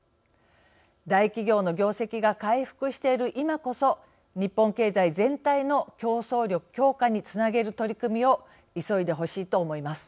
大企業の業績が回復している今こそ日本経済全体の競争力強化につなげる取り組みを急いでほしいと思います。